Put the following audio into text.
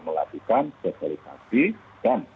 melakukan sosialisasi dan